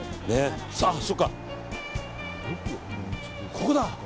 ここだ！